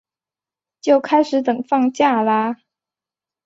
就开始等放假啦